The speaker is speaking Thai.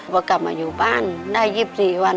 พอกลับมาอยู่บ้านได้๒๔วัน